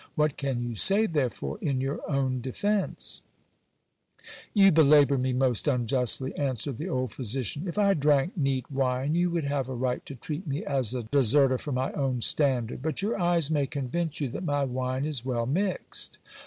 What can you say, there fore, in your own defence ? You belabour me most unjustly, answered the old physician. If I drank neat wine, you would have a right to treat me as a deserter from my own stand ard ; but your eyes may convince you that my wine is well mixed.